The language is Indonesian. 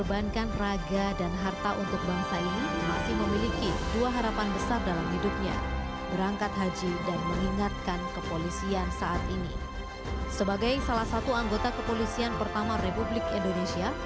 dan sebagainya itu diperlukan dalam perjuangan mengisi kemerdekaan itu